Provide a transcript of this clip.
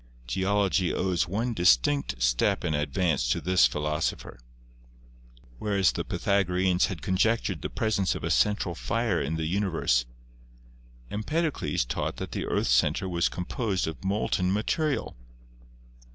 Geology owes one distinct step in ad vance to this philosopher. Whereas the Pythagoreans had conjectured the presence of a central fire in the universe, Empedocles taught that the earth's center was composed of molten material.